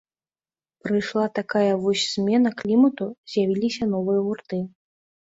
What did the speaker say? Прыйшла такая вось змена клімату, з'явіліся новыя гурты.